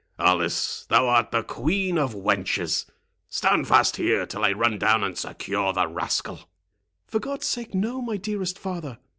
—"Alice, thou art the queen of wenches! Stand fast here till I run down and secure the rascal." "For God's sake, no, my dearest father!"